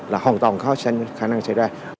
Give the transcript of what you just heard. là hoàn toàn khả năng xảy ra